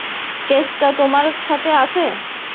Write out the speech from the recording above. কেসটা তোমার সাথে আছে?